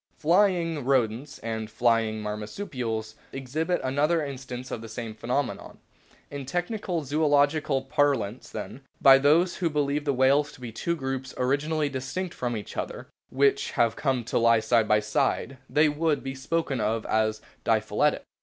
"Flying' Rodents and "Flying' Marsupials exhibit another instance of the same phenomenon. In technical zoological parlance then, by those who believe the whales to be two groups originally distinct from each other which have come to lie side by side, they would be spoken of as " diphyletic."